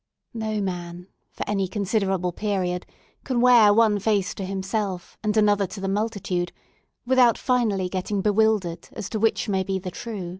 No man, for any considerable period, can wear one face to himself and another to the multitude, without finally getting bewildered as to which may be the true.